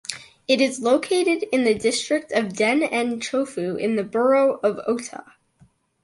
It is located in the district of Den-en-chōfu, in the borough of Ōta.